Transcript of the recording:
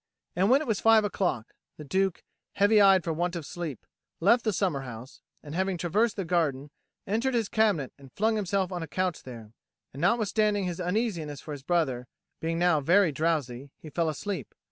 And when it was five o'clock, the Duke, heavy eyed for want of sleep, left the summer house, and having traversed the garden, entered his cabinet and flung himself on a couch there; and notwithstanding his uneasiness for his brother, being now very drowsy, he fell asleep.